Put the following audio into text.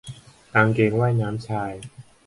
กางเกงว่ายน้ำชาย